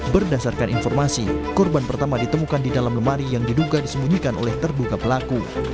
berdasarkan informasi korban pertama ditemukan di dalam lemari yang diduga disembunyikan oleh terduga pelaku